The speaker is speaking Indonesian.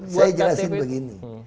buat iktp saya jelasin begini